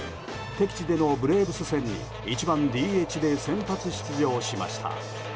敵地でのブレーブス戦に１番ＤＨで先発出場しました。